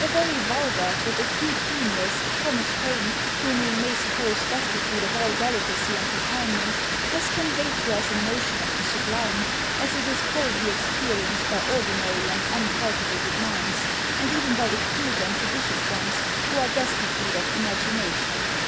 A very vulgar, but acute genius, Thomas Paine, whom we may suppose destitute of all delicacy and refinement, has conveyed to us a notion of the sublime, as it is probably experienced by ordinary and uncultivated minds; and even by acute and judicious ones, who are destitute of imagination.